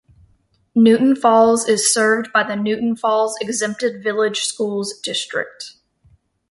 Newton Falls is served by the Newton Falls Exempted Village Schools district.